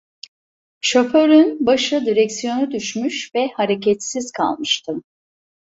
Şoförün başı direksiyona düşmüş ve hareketsiz kalmıştı.